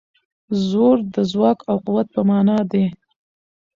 زور د ځواک او قوت په مانا دی.